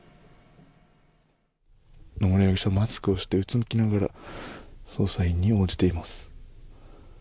野村容疑者マスクをしてうつむきながら捜査員に応じています。